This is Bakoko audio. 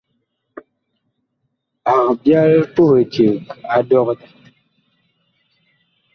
Ag byal puh eceg a dɔkta.